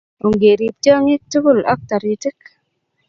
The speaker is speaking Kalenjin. ongerib tyong'ik tugul ak toritik